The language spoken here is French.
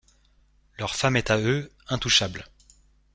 Leur femme est à eux, intouchable.